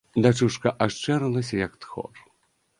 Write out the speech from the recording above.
Дачушка ашчэрылася, як тхор.